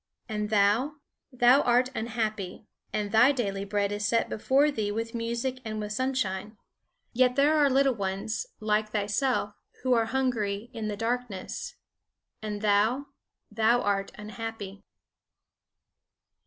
"And thou? Thou art unhappy. And thy daily bread is set before thee with music and with sunshine. "Yet there are little ones, like thyself, who are hungry in the darkness. "And thou? Thou art unhappy."